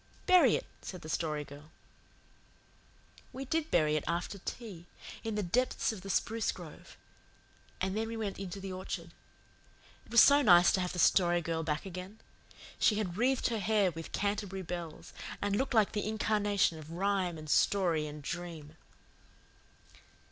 "Bury it," said the Story Girl. We did bury it after tea, in the depths of the spruce grove; and then we went into the orchard. It was so nice to have the Story Girl back again. She had wreathed her hair with Canterbury Bells, and looked like the incarnation of rhyme and story and dream.